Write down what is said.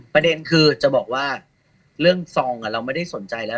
ประเด็นคือจะบอกว่าเรื่องซองเราไม่ได้สนใจแล้ว